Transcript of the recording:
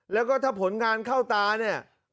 แล้วก็ถ้าผลงานเข้าตาเนี่ย